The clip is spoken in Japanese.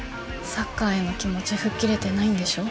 サッカーへの気持ちふっ切れてないんでしょ？